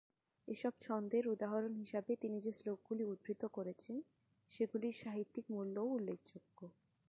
এসব ছন্দের উদাহরণ হিসেবে তিনি যে শ্লোকগুলি উদ্ধৃত করেছেন, সেগুলির সাহিত্যিক মূল্যও উল্লেখযোগ্য।